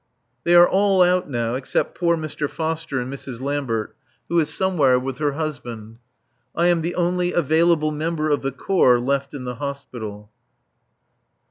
They are all out now except poor Mr. Foster and Mrs. Lambert, who is somewhere with her husband. I am the only available member of the Corps left in the Hospital!